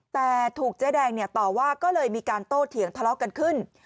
แต่ถูกเจ๊แดงต่อว่าก็เลยมีการโต้เถียงทะเลาะกันขึ้น